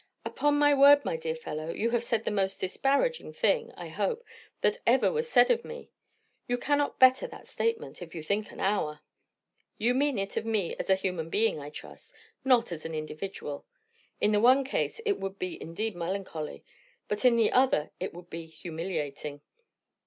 "Upon my word, my dear fellow, you have said the most disparaging thing, I hope, that ever was said of me! You cannot better that statement, if you think an hour! You mean it of me as a human being, I trust? not as an individual? In the one case it would be indeed melancholy, but in the other it would be humiliating.